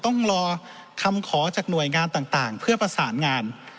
ต้องรอคำขอจากหน่วยงานต่างเพื่อประสานงาน